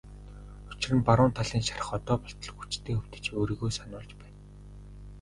Учир нь баруун талын шарх одоо болтол хүчтэй өвдөж өөрийгөө сануулж байна.